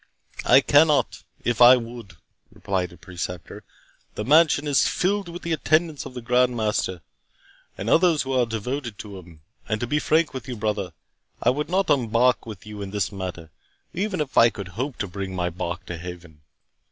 "I cannot, if I would," replied the Preceptor; "the mansion is filled with the attendants of the Grand Master, and others who are devoted to him. And, to be frank with you, brother, I would not embark with you in this matter, even if I could hope to bring my bark to haven.